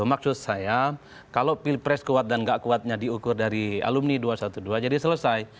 maksud saya kalau pilpres kuat dan gak kuatnya diukur dari alumni dua ratus dua belas jadi selesai